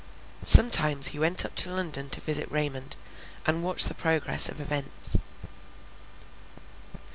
Sometimes he went up to London to visit Raymond, and watch the progress of events.